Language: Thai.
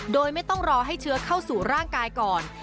โดยไม่ต้องรอให้เชื้อเข้าสู่ร่างกายก่อน